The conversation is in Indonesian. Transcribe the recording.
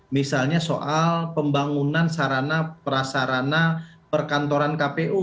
misalnya soal pembangunan sarana prasarana perkantoran kpu